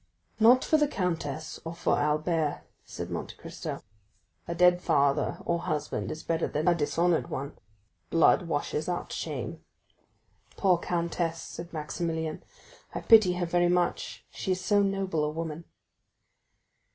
"Not for the countess, or for Albert," said Monte Cristo; "a dead father or husband is better than a dishonored one,—blood washes out shame." "Poor countess," said Maximilian, "I pity her very much; she is so noble a woman!"